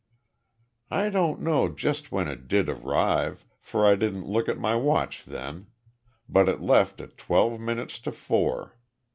"I don't know just when it did arrive, for I didn't look at my watch then, but it left at twelve minutes to four.